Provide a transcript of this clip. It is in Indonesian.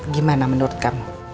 gimana menurut kamu